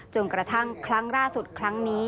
กระทั่งครั้งล่าสุดครั้งนี้